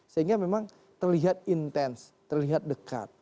sehingga memang terlihat intens terlihat dekat